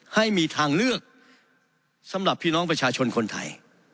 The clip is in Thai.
ให้มีทางเลือกสำหรับพี่น้องประชาชนคนไทย